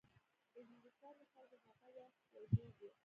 د هندوستان د خلکو هغه وخت یو دود و.